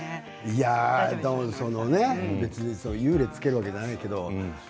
別に優劣をつけるわけじゃないけど。